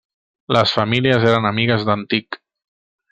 Les famílies eren amigues d'antic.